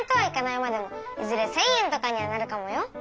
いまでもいずれ１，０００円とかにはなるかもよ。